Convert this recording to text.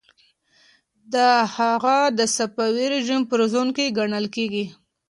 هغه د صفوي رژیم پرزوونکی ګڼل کیږي.